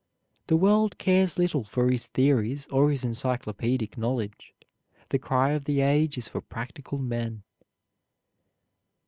The world cares little for his theories or his encyclopaedic knowledge. The cry of the age is for practical men.